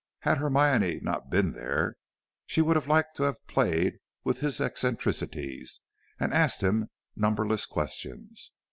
Had Hermione not been there, she would have liked to have played with his eccentricities, and asked him numberless questions.